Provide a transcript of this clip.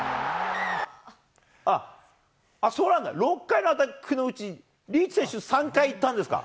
６回のアタックのうち、リーチ選手、３回行ったんですか。